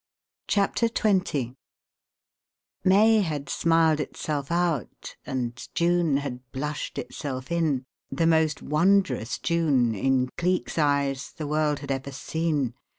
CHAPTER XX May had smiled itself out and June had blushed itself in the most wondrous June, in Cleek's eyes, the world had ever seen.